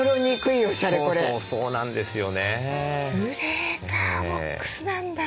ブレーカーボックスなんだ。